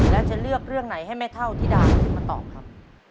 แล้วจะเลือกเรื่องไหนให้แม่เท่าธิดาขึ้นมาตอบครับ